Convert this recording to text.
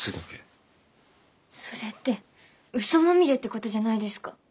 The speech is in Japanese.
それって嘘まみれってことじゃないですか？